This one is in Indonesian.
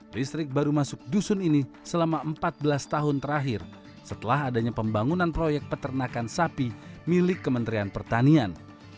listrik baru masuk dusun ini selama empat belas tahun terakhir setelah adanya pembangunan proyek peternakan sapi milik kementerian pertanian